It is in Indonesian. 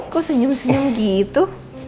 kok senyum senyum gitu